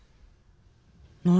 何？